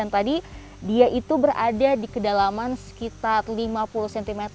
jadi dia itu berada di kedalaman sekitar lima puluh cm